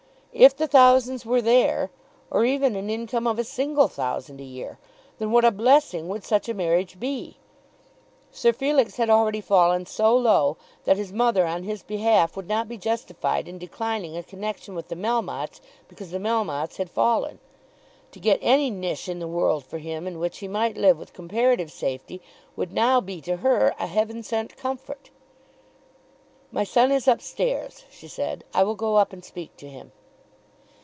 If the thousands were there, or even an income of a single thousand a year, then what a blessing would such a marriage be! Sir Felix had already fallen so low that his mother on his behalf would not be justified in declining a connection with the Melmottes because the Melmottes had fallen. To get any niche in the world for him in which he might live with comparative safety would now be to her a heaven sent comfort. "My son is up stairs," she said. "I will go up and speak to him."